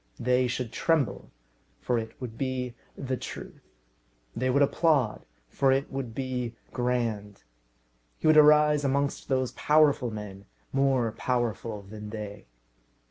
They should tremble, for it would be the truth. They would applaud, for it would be grand. He would arise amongst those powerful men, more powerful than they.